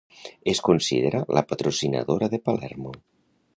Es considerada la patrocinadora de Palermo.